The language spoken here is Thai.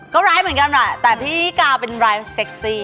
ก็ร้ายเหมือนกันแหละแต่พี่กาวเป็นรายเซ็กซี่